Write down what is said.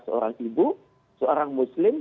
seorang ibu seorang muslim